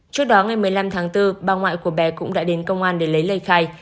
trước đó ngày một mươi năm tháng bốn bà ngoại của bé cũng đã đến công an để lấy lời khai